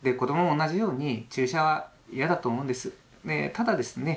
ただですね